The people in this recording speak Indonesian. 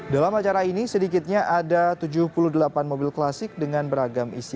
dalam acara ini sedikitnya ada tujuh puluh delapan mobil klasik dengan beragam isi